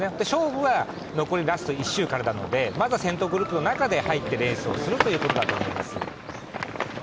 勝負は残りラスト１周からなのでまずは先頭グループの中に入ってレースをするということだと思います。